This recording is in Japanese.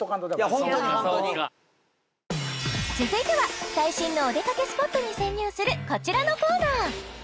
本当に本当に続いては最新のお出かけスポットに潜入するこちらのコーナー！